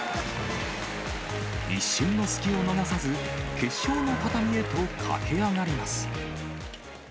一瞬の隙を逃さず、決勝の畳へと駆け上がります。